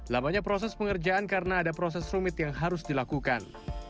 lamanya proses pengerjaan karena ada proses rumit yang harus dilakukan